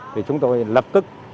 thì chúng tôi lập tức